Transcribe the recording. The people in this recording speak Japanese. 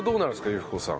由布子さん。